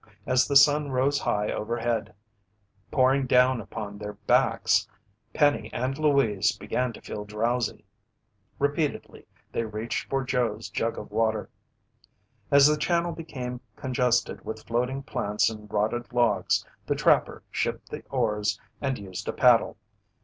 As the sun rose high overhead pouring down upon their backs, Penny and Louise began to feel drowsy. Repeatedly, they reached for Joe's jug of water. As the channel became congested with floating plants and rotted logs, the trapper shipped the oars and used a paddle.